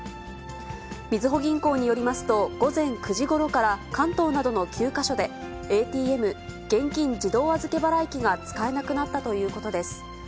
みずほ銀行によりますと、午前９時ごろから、関東などの９か所で、ＡＴＭ・現金自動預払機が使えなくなったということです。